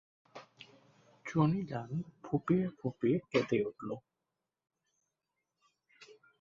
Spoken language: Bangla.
চুনিলাল ফুঁপিয়ে ফুঁপিয়ে কেঁদে উঠল।